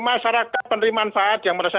masyarakat penerima manfaat yang merasa